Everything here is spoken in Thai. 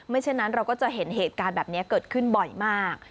เช่นนั้นเราก็จะเห็นเหตุการณ์แบบนี้เกิดขึ้นบ่อยมาก